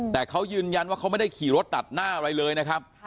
แต่เขายืนยันว่าเขาไม่ได้ขี่รถตัดหน้าอะไรเลยนะครับ